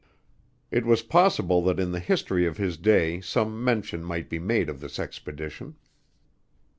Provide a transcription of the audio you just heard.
It was possible that in the history of his day some mention might be made of this expedition.